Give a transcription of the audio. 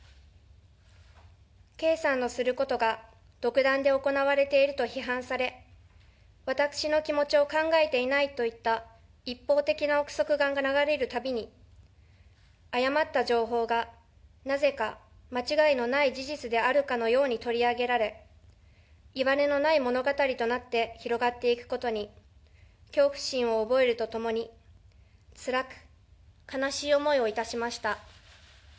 圭さんのすることが独断で行われていると批判され、私の気持ちを考えていないといった、一方的な臆測が流れるたびに、誤った情報がなぜか間違いのない事実であるかのように取り上げられ、いわれのない物語となって広がっていくことに、恐怖心を覚えるとともに、つらく悲しい思いをいたしました。